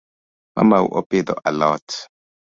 Mamau opidhi alot?